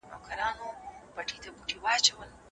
تاسي تل د خپلي روغتیا په لټه کي یاست.